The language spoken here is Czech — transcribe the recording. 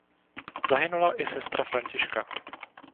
Zahynula i sestra Františka.